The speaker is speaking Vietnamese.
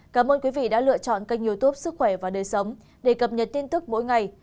cảm ơn quý vị đã lựa chọn kênh youtube sức khỏe và đời sống để cập nhật tin tức mỗi ngày